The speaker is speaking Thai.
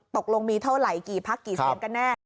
ตกลงมีเท่าไหร่กี่พักกี่เสียงกันแน่